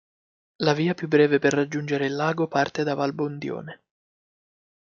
La via più breve per raggiungere il lago parte da Valbondione.